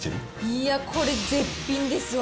いや、これ、絶品ですわ。